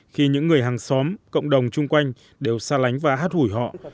khi những người hàng xóm cộng đồng chung quanh đều xa lánh và hát hủy họ